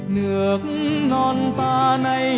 nước nón ta nay